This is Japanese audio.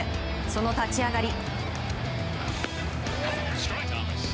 その立ち上がり。